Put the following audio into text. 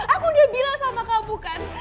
aku udah bilang sama kamu kan